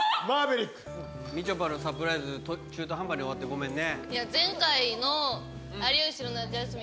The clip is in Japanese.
みちょぱのサプライズ中途半端に終わってごめんね。